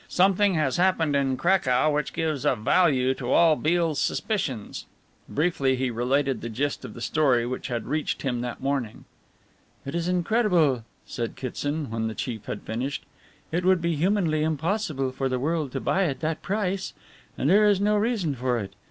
Something has happened in Cracow which gives a value to all Beale's suspicions." Briefly he related the gist of the story which had reached him that morning. "It is incredible," said Kitson when the chief had finished. "It would be humanly impossible for the world to buy at that price. And there is no reason for it.